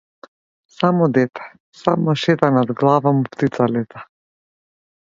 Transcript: Само дете, само шета над глава му птица лета.